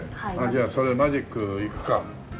じゃあそれマジックいくか。